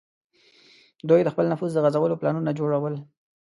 دوی د خپل نفوذ د غځولو پلانونه جوړول.